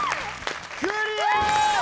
クリア！